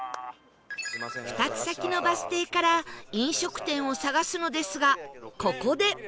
２つ先のバス停から飲食店を探すのですがここで